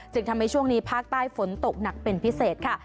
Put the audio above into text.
ทำให้ช่วงนี้ภาคใต้ฝนตกหนักเป็นพิเศษค่ะ